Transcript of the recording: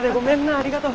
ありがとう。